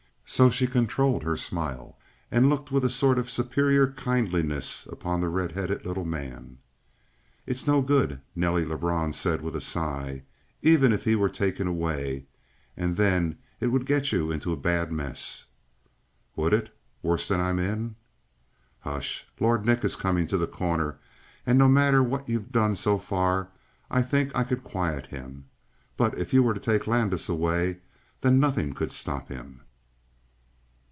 So she controlled her smile and looked with a sort of superior kindliness upon the red headed little man. "It's no good," Nelly Lebrun said with a sigh. "Even if he were taken away and then it would get you into a bad mess." "Would it? Worse than I'm in?" "Hush! Lord Nick is coming to The Corner; and no matter what you've done so far I think I could quiet him. But if you were to take Landis away then nothing could stop him."